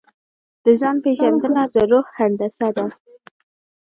ځان پېژندنه د روح هندسه ده.